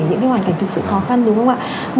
những hoàn cảnh thực sự khó khăn đúng không ạ